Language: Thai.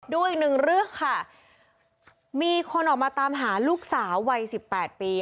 ดูอีกหนึ่งเรื่องค่ะมีคนออกมาตามหาลูกสาววัยสิบแปดปี